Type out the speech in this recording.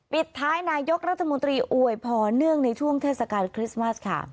ปิดท้ายนายกรัฐมนตรีอวยพอเนื่องในช่วงเทศกาลคริสต์มัสค่ะ